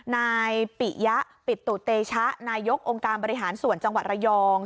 นายปิยะปิตุเตชะนายกองค์การบริหารส่วนจังหวัดระยอง